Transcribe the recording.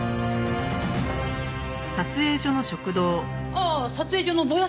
ああ撮影所のぼや